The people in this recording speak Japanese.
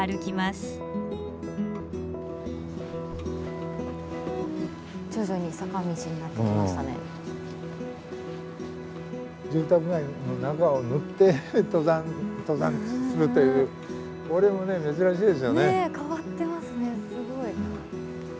すごい。